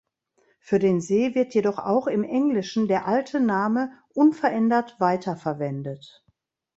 Für den See wird jedoch auch im Englischen der alte Name unverändert weiter verwendet.